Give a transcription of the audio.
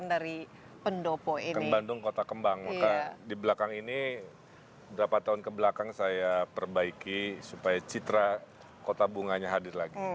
dapat tahun kebelakang saya perbaiki supaya citra kota bunganya hadir lagi